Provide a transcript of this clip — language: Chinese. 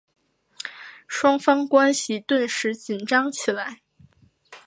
双方关系顿时紧张起来。